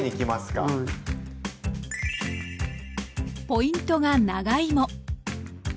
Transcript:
ポイントが長芋。